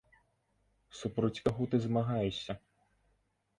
Супроць каго ты змагаешся?